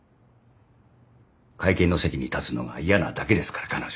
会見の席に立つのが嫌なだけですから彼女は。